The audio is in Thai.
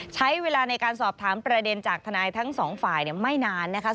ใช้เวลาในการสอบถามประเด็นจากทนายทั้งสองฝ่ายไม่นานนะคะ